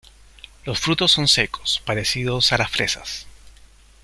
Los frutos son secos, parecidos a las fresas.